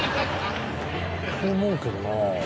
そう思うけどな。